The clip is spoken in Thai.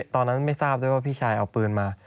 ตอนนั้นไม่ทราบด้วยว่าพี่ชายเอาปืนมา